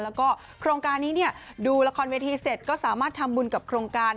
แล้วก็โครงการนี้ดูละครเวทีเสร็จก็สามารถทำบุญกับโครงการ